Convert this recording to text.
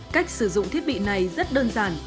cách sử dụng thiết bị này rất đơn giản